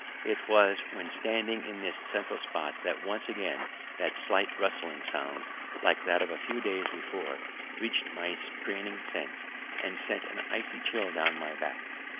It was when standing in this central spot that once again that slight rustling sound, like that of a few days before, reached my straining sense and sent an icy chill down my back.